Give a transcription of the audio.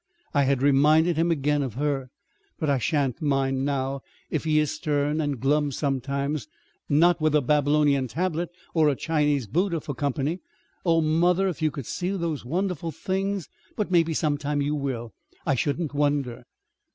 I had reminded him again of her. But I shan't mind, now, if he is stern and glum sometimes not with a Babylonian tablet or a Chinese Buddha for company. Oh, mother, if you could see those wonderful things. But maybe sometime you will. I shouldn't wonder."